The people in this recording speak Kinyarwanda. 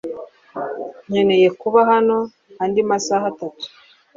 Nkeneye kuba hano andi masaha atatu .